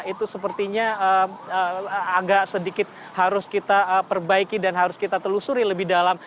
itu sepertinya agak sedikit harus kita perbaiki dan harus kita telusuri lebih dalam